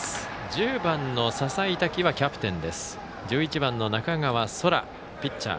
１０番の笹井多輝はキャプテン。